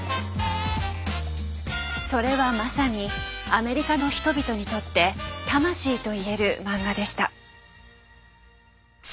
それはまさにアメリカの人々にとって魂といえるマンガでした。